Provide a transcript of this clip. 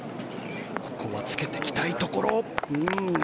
ここはつけてきたいところ。